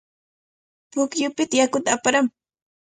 Pukyupita yakuta aparamuy.